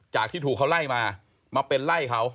ที่ถูกเขาไล่มามาเป็นไล่เขา